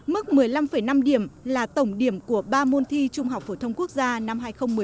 mức một mươi năm năm điểm là tổng điểm của ba môn thi trung học phổ thông quốc gia năm hai nghìn một mươi chín